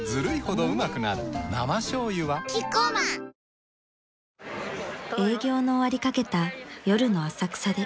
生しょうゆはキッコーマン［営業の終わりかけた夜の浅草で］